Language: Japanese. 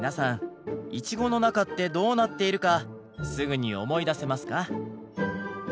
イチゴの中ってどうなっているかすぐに思い出せますか？